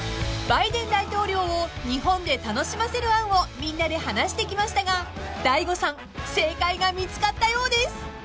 ［バイデン大統領を日本で楽しませる案をみんなで話してきましたが大悟さん正解が見つかったようです］